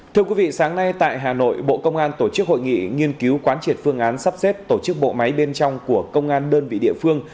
thưa quý vị sáng nay tại hà nội bộ công an tổ chức hội nghị nghiên cứu quán triệt phương án sắp xếp tổ chức bộ máy bên trong của công an đơn vị địa phương